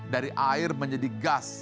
dari air menjadi gas